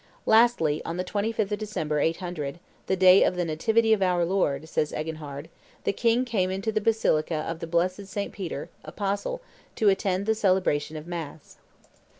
Lastly, on the 25th of December, 800, "the day of the Nativity of our Lord," says Eginhard, "the king came into the basilica of the blessed St. Peter, apostle, to attend the celebration of mass.